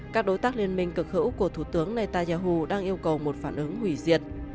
các đối tác liên minh cực hữu của thủ tướng netanyahu đang yêu cầu một phản ứng hủy diệt